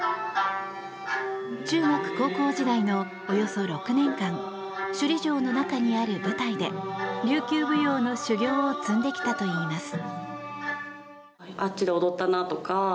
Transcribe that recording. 中学、高校時代のおよそ６年間首里城の中にある舞台で琉球舞踊の修業を積んできたといいます。